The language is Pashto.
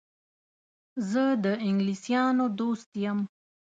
زه د انګلیسیانو دوست یم.